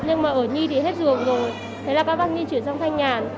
nhưng mà ở nhi thì hết giường rồi thấy là các bác nhi chuyển sang thanh nhàn